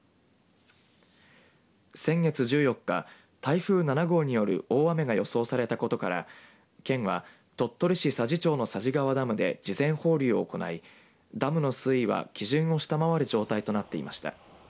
先月１４日、台風７号による大雨が予想されたことから県は鳥取市佐治町の佐治川ダムで事前放流を行い、ダムの水位は基準を下回る状態となっていました。